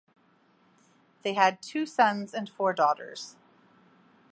They had two sons and four daughters.